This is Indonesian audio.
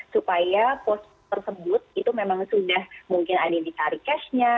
supaya pos tersebut itu memang sudah mungkin ada yang ditarik cashnya